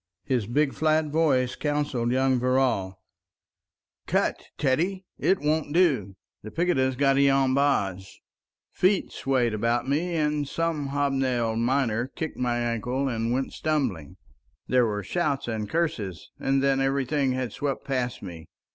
His big flat voice counseled young Verrall— "Cut, Teddy! It won't do. The picketa's got i'on bahs. ..." Feet swayed about me, and some hobnailed miner kicked my ankle and went stumbling. There were shouts and curses, and then everything had swept past me.